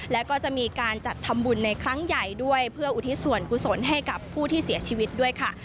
แล้วก็จะมีการจัดทำบุญในครั้งใหญ่ด้วยเพื่ออุทิศส่วนกุศลให้กับผู้ที่เสียชีวิตด้วยค่ะ